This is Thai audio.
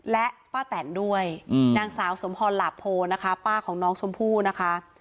และป้าแตนด้วยนางสาวสมพรหลาโพนะคะป้าของน้องชมพู่นะคะ